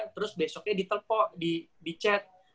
terus besoknya di chat